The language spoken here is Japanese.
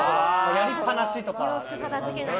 やりっぱなしとか。